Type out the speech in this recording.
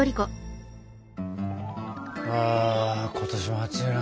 あ今年も暑いな。